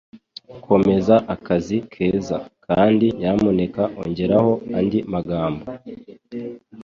Komeza akazi keza kandi nyamuneka ongeraho andi magambo.